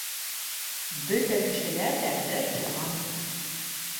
БӨТӘ КЕШЕЛӘР ҘӘ БЕР ТУҒАН